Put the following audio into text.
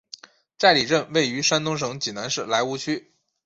寨里镇位于山东省济南市莱芜区。